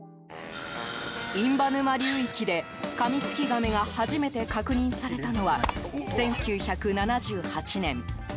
印旛沼流域でカミツキガメが初めて確認されたのは１９７８年。